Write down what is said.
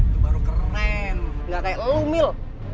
lo baru keren gak kayak lo mil